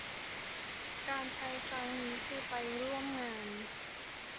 การไปครั้งนี้คือไปร่วมงาน